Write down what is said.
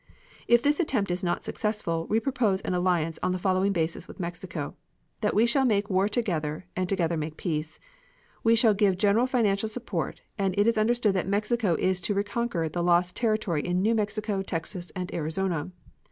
If this attempt is not successful, we propose an alliance on the following basis with Mexico: That we shall make war together and together make peace. We shall give general financial support, and it is understood that Mexico is to reconquer the lost territory in New Mexico, Texas and Arizona.